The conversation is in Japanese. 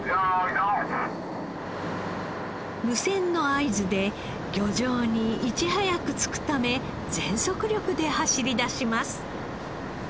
無線の合図で漁場にいち早く着くため全速力で走りだします。